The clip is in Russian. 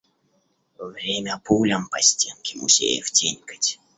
Время пулям по стенке музеев тенькать.